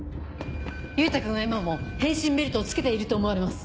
優太君は今も変身ベルトを着けていると思われます。